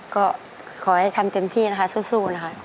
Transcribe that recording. ก็ขอให้ทำเต็มที่นะคะสู้นะคะ